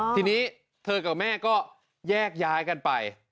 ทีนี้เธอกับแม่ก็แยกย้ายกันไป